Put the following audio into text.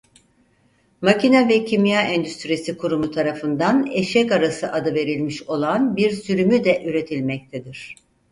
Makina ve Kimya Endüstrisi Kurumu tarafından Eşek Arısı adı verilmiş olan bir sürümü de üretilmektedir.